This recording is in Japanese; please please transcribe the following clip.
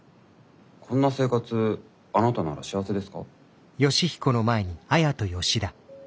こんな生活あなたなら幸せですか？